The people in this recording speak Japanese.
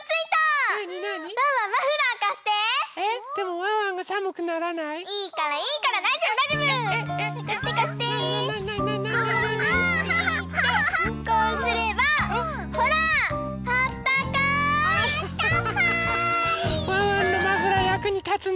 ワンワンのマフラーやくにたつね。